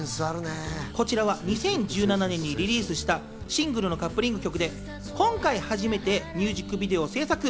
こちらは２０１７年にリリースしたシングルのカップリング曲で今回初めてミュージックビデオを制作。